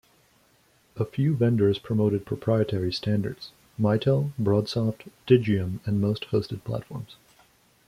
A few vendors promoted proprietary standards: Mitel, Broadsoft, Digium and most hosted platforms.